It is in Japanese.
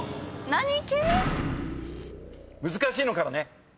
何系⁉難しいのからね。